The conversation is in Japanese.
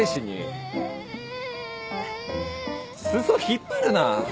裾引っ張るな！